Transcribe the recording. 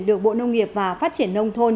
được bộ nông nghiệp và phát triển nông thôn